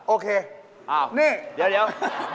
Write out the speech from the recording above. โอเคนี่เดี๋ยว